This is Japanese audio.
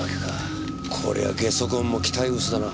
これはゲソ痕も期待薄だな。